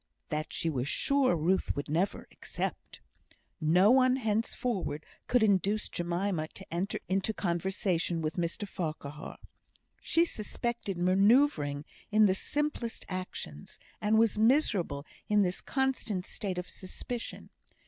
That she was sure Ruth would never accept. No one henceforward could induce Jemima to enter into conversation with Mr Farquhar. She suspected manoeuvring in the simplest actions, and was miserable in this constant state of suspicion.